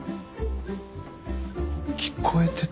聞こえてたのか？